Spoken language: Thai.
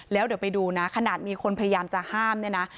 แล้วเดี๋ยวไปดูนะขนาดมีคนพยายามจะห้ามเนี่ยนะ